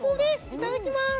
いただきます！